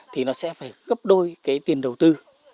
thì nó sẽ phải gấp đôi cái tiền đầu tư